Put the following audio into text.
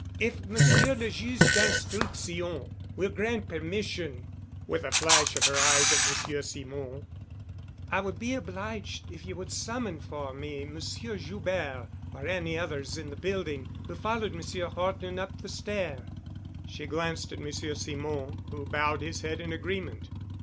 "If Monsieur le Juge d'Instruction will grant permission," with a flash of her eyes at Monsieur Simon, "I would be obliged if you will summon for me Monsieur Joubert or any others in the building who followed Monsieur Horton up the stair." She glanced at Monsieur Simon, who bowed his head in agreement.